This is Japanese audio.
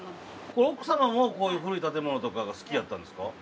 奥様もこういう古い建物とかが好きやったんですか？